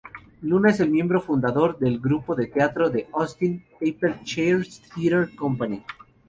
Luna es miembro fundador del grupo de teatro de Austin "Paper Chairs Theatre Company".